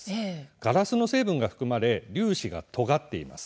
ガラスの成分が含まれ粒子がとがっています。